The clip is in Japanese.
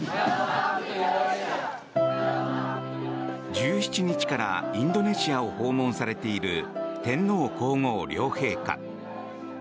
１７日からインドネシアを訪問されている天皇・皇后両陛下。